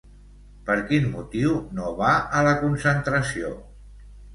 Per quin motiu no va a la concentració?